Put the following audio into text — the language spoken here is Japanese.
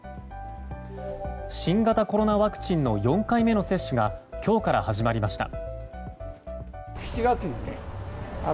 新型コロナワクチンの４回目の接種が今日から始まりました。